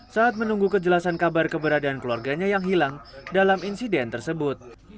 saat menunggu kejelasan kabar keberadaan keluarganya yang hilang dalam insiden tersebut